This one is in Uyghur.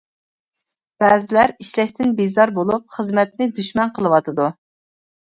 بەزىلەر ئىشلەشتىن بىزار بولۇپ، خىزمەتنى دۈشمەن قىلىۋالىدۇ.